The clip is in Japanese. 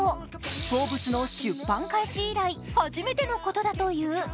「Ｆｏｒｂｅｓ」の出版開始以来初めてのことだという。